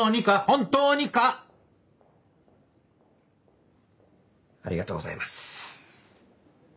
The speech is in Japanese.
本当にか⁉ありがとうございます。